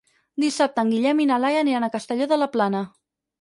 Dissabte en Guillem i na Laia aniran a Castelló de la Plana.